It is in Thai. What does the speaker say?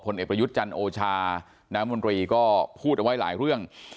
เอกประยุทธ์จันทร์โอชาน้ำมนตรีก็พูดเอาไว้หลายเรื่อง